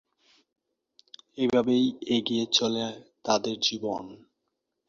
এভাবেই এগিয়ে চলে তাদের জীবন।